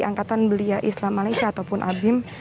dan juga ada juga seorang belia islam malaysia ataupun abim